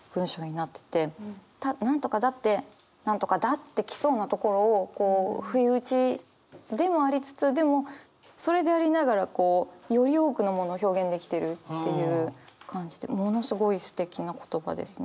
「何とかだって何とかだ」って来そうなところを不意打ちでもありつつでもそれでありながらより多くのものを表現できてるっていう感じでものすごいすてきな言葉ですね。